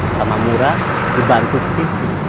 sama mura dibantu pipi